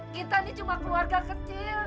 kita ini cuma keluarga kecil